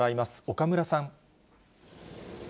岡村さん。